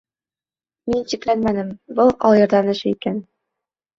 Мин шикләнмәнем — был алйырҙан эше икән.